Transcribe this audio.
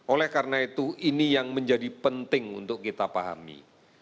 oleh karena itu ini yang menjadi penting untuk kita pahami